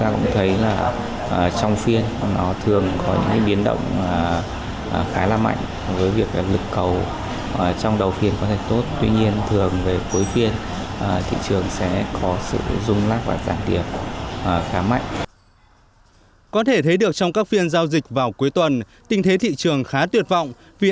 có thể thấy được trong các phiên giao dịch vào cuối tuần tình thế thị trường khá tuyệt vọng vì